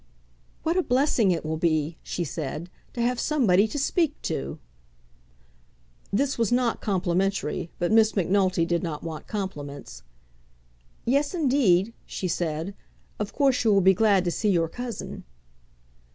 "What a blessing it will be," she said, "to have somebody to speak to!" This was not complimentary, but Miss Macnulty did not want compliments. "Yes, indeed," she said. "Of course you will be glad to see your cousin."